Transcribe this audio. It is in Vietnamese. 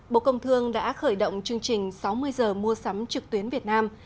bộ công thương đã khởi động chương trình sáu mươi h mua sắm trực tuyến việt nam